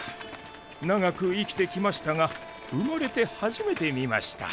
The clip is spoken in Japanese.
長く生きてきましたが生まれて初めて見ました。